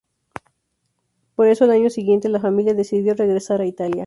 Por eso, al año siguiente la familia decidió regresar a Italia.